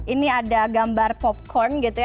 ini ada gambar popcorn gitu ya